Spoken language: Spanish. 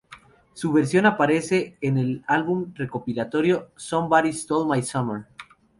Su versión aparece en el álbum recopilatorio "Somebody Stole My Summer".